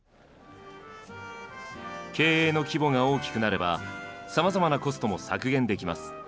経営の規模が大きくなればさまざまなコストも削減できます。